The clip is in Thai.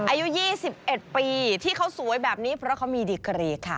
อายุ๒๑ปีที่เขาสวยแบบนี้เพราะเขามีดีกรีค่ะ